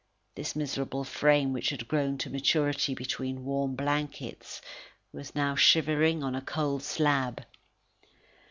This miserable frame, which had grown to maturity between warm blankets, was now shivering on a cold slab.